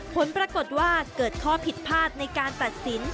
ผลปรากฏว่าเกิดข้อผิดพลาดในการตัดสิน